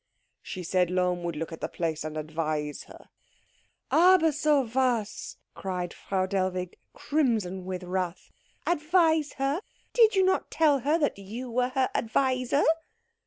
"She said Lohm would look at the place and advise her." "Aber so was!" cried Frau Dellwig, crimson with wrath. "Advise her? Did you not tell her that you were her adviser?"